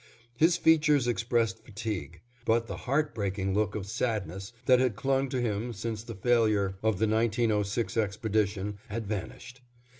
His features expressed fatigue, but the heart breaking look of sadness, that had clung to him since the failure of the 1906 expedition, had vanished.